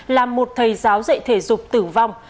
là một thầy giáo dạy thể dục tử vong